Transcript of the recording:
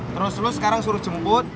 terus terus sekarang suruh jemput